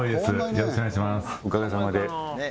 よろしくお願いします